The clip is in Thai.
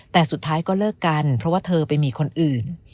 แต่สุดท้ายก็เลิกกันเพราะว่าเธอไปมีคนอื่น